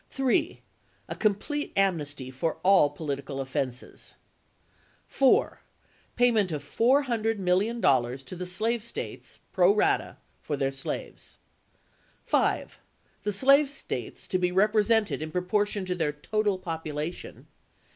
3. A complete amnesty for all political offenses. 4. Payment of $400,000,000 to the slave States, pro rata, for their slaves. 5. The slave States to be represented in proportion to their total population.